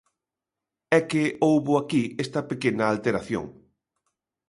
É que houbo aquí esta pequena alteración.